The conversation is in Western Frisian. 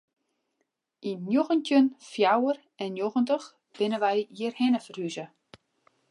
Yn njoggentjin fjouwer en njoggentich binne we hjirhinne ferhûze.